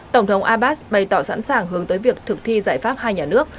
tổng thống abbas bày tỏ sẵn sàng hướng tới việc thực thi giải pháp hai nhà nước